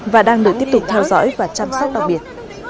và đang được tiếp tục theo dõi và chăm sóc đặc biệt